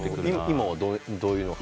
今はどういうの。